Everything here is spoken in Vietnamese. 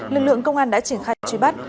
lực lượng công an đã triển khai truy bắt